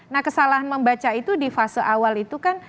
nah kesalahan membaca itu di fase awal itu kan